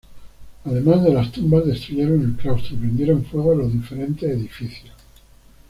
Además de las tumbas, destruyeron el claustro y prendieron fuego a los diferentes edificios.